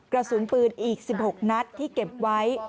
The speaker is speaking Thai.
กระสุนปืนอีก๑๖นัดที่เก็บไว้